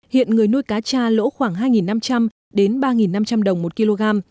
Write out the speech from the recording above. hiện người nuôi cá cha lỗ khoảng hai năm trăm linh đến ba năm trăm linh đồng một kg